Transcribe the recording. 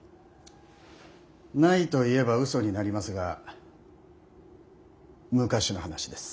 ないと言えば嘘になりますが昔の話です。